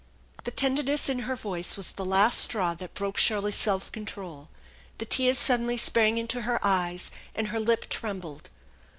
The tenderness in her voice was the last straw that broke Shirley's self control. The tears suddenly sprang into her eyes, and her lip trembled.